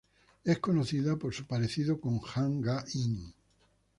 Es conocida por su parecido con Han Ga-in.